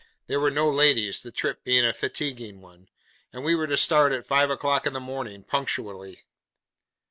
There were no ladies: the trip being a fatiguing one: and we were to start at five o'clock in the morning punctually.